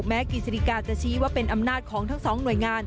กฤษฎิกาจะชี้ว่าเป็นอำนาจของทั้งสองหน่วยงาน